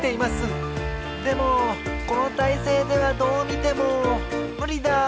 でもこのたいせいではどうみてもむりだ。